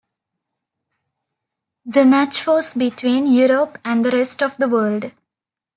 The match was between Europe and the rest of the world.